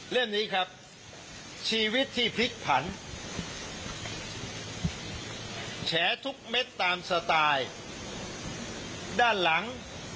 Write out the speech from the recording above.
นี้ครับชีวิตที่พลิกผันแฉทุกเม็ดตามสไตล์ด้านหลัง